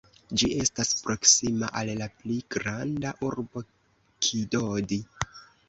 Ĝi estas proksima al la pli granda urbo Kidodi.